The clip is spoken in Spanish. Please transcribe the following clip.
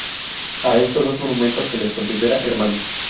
A estos dos monumentos se les considera hermanos.